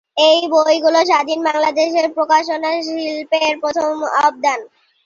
এই বইগুলো স্বাধীন বাংলাদেশের প্রকাশনা শিল্পের প্রথম অবদান।